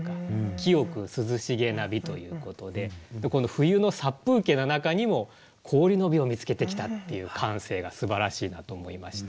清く涼しげな美ということで冬の殺風景な中にも氷の美を見つけてきたっていう感性がすばらしいなと思いまして。